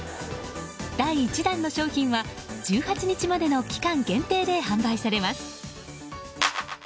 第１弾の商品は１８日までの期間限定で販売されます。